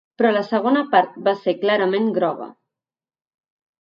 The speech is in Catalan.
Però la segona part va ser clarament groga.